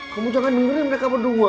kamu jangan memilih mereka berdua